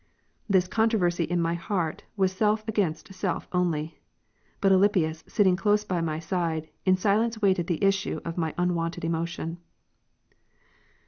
This controversy in my heart was self against self only. But Alypius sitting close by my side, in silence waited the issue of my unwonted emotion.